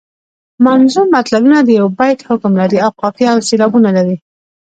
منظوم متلونه د یوه بیت حکم لري او قافیه او سیلابونه لري